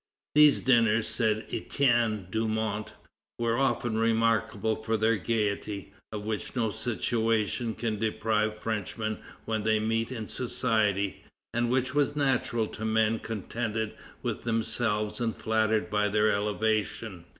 "These dinners," says Etienne Dumont, "were often remarkable for their gaiety, of which no situation can deprive Frenchmen when they meet in society, and which was natural to men contented with themselves and flattered by their elevation.